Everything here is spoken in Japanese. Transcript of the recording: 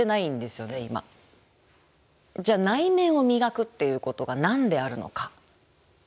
じゃあ内面を磨くっていうことが何であるのか。